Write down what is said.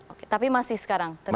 oke tapi masih sekarang